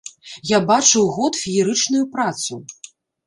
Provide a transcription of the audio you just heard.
Я бачыў год феерычную працу.